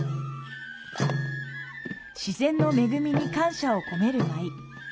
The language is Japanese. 自然の恵みに感謝を込める舞。